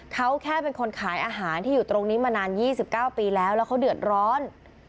เขาแค่เป็นคนขายอาหารที่อยู่ตรงนี้มานาน๒๙ปีแล้วแล้วเขาเดือดร้อน